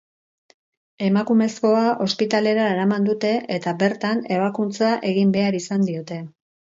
Emakumezkoa ospitalera eraman dute, eta bertan ebakuntza egin behar izan diote.